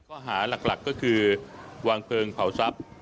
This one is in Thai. ข้อหาหลักก็คือวางเพลิงเผาทรัพย์